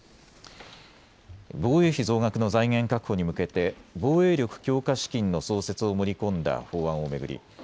防衛費増額の財源確保に向けて防衛力強化資金の創設を盛り込んだ法案を巡り